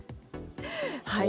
はい。